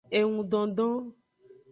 Engudondon.